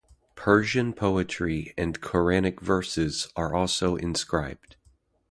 Persian poetry and Quranic verses are also inscribed.